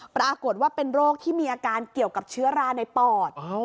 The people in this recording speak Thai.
ปรากฏว่าเป็นโรคที่มีอาการเกี่ยวกับเชื้อราในปอด